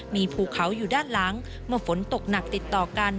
มีภูเขาอยู่ด้านหลังเมื่อฝนตกหนักติดต่อกัน